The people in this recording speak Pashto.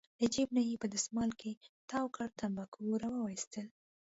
له جېب نه یې په دستمال کې تاو کړي تنباکو راوویستل.